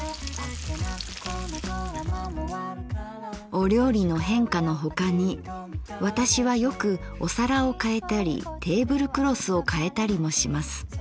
「お料理の変化のほかに私はよくお皿を変えたりテーブルクロスを変えたりもします。